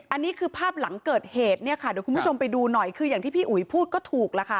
อันนี้คือภาพหลังเกิดเหตุคุณผู้ชมไปดูหน่อยคืออย่างที่พี่อุ๋ยพูดก็ถูก